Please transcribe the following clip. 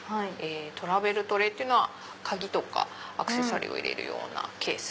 トラベルトレーっていうのは鍵とかアクセサリーを入れるようなケース。